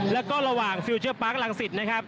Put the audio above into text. แล้วก็ระหว่างฟิลเจอร์ปาร์คลังศิษย์นะครับ